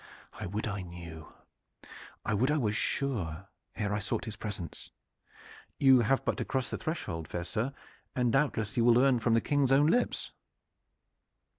"I would I knew I would I was sure ere I sought his presence." "You have but to cross the threshold, fair sir, and doubtless you will learn from the King's own lips."